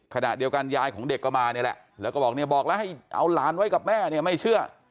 ขณะเดียวกันยายของเด็กก็มานี่แหละแล้วก็บอกเนี่ยบอกแล้วให้เอาหลานไว้กับแม่เนี่ยไม่เชื่อ